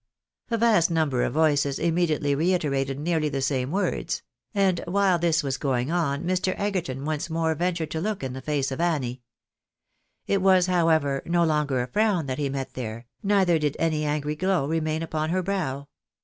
A vast number of voices immediately reiterated nearly the same words ; and while this was going on, ]\lr. Egerton once more ventured to look in the face of Annie. It was, however, no longer a frown that he met there, neither did any angry glow remain upon her brow.